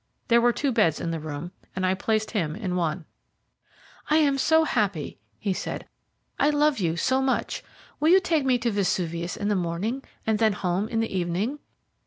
There were two beds in the room, and I placed him in one. "I am so happy," he said, "I love you so much. Will you take me to Vesuvius in the morning, and then home in the evening?"